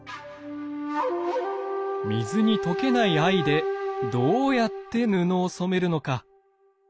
水に溶けない藍でどうやって布を染めるのか？